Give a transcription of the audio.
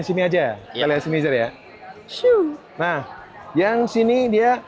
di sini aja kita lihat sini aja ya siu nah yang sini dia